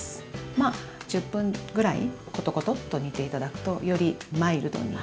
まあ１０分ぐらいコトコトと煮て頂くとよりマイルドに。